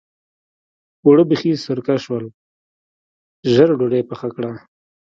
اوړه بېخي سرکه شول؛ ژر ډودۍ پخه کړه.